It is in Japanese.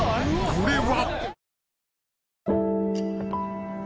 ［これは？］